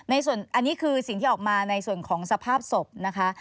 อันนี้คือสิ่งที่ออกมาในส่วนของสภาพศพนะคะ